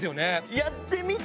やってみてまあ